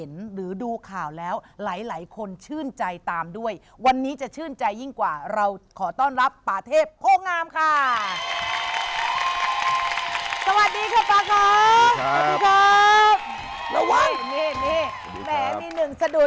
นี่แหมมีหนึ่งสะดุด